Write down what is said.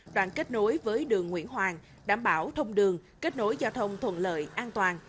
đoạn kết nối với đường nguyễn hoàng đảm bảo thông đường kết nối giao thông thuận lợi an toàn